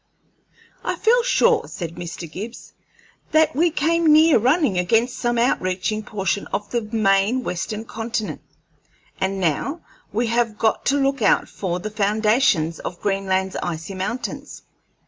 "I feel sure," said Mr. Gibbs, "that we came near running against some outreaching portion of the main Western Continent, and now we have got to look out for the foundations of Greenland's icy mountains."